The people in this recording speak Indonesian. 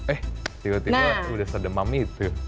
eh tiba tiba udah sedemam itu